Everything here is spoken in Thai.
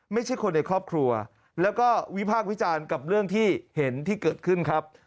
ไม่ใช่คนในครอบครัวแล้วก็วิพากษ์วิจารณ์กับเรื่องที่เห็นที่เกิดขึ้นครับ